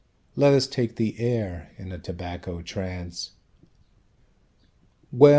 Let us take the air, in a tobacco trance Well!